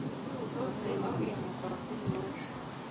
Makao makuu ya mkoa huu ni Moshi.